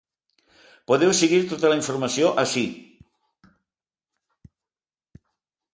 Podeu seguir tota la informació ací.